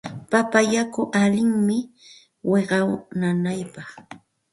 Papa yaku allinmi wiqaw nanaypaq.